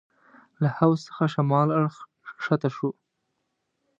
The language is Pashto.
له حوض څخه شمال اړخ کښته شوو.